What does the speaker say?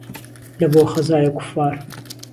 له بۆ خهزایه کوففار